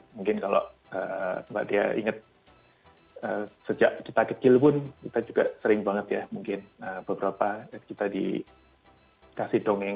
mungkin kalau mbak dea inget sejak kita kecil pun kita juga sering banget ya mungkin beberapa kita dikasih dongeng